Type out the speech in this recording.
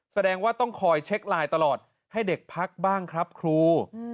แสดงว่าต้องคอยเช็คไลน์ตลอดให้เด็กพักบ้างครับครู